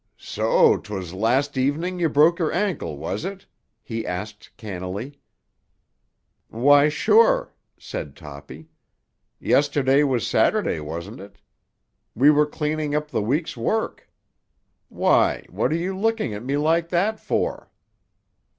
"So 'twas last evening ye broke your ankle, was it?" he asked cannily. "Why, sure," said Toppy. "Yesterday was Saturday, wasn't it? We were cleaning up the week's work. Why, what are you looking at me like that for?"